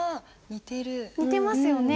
似てますよね？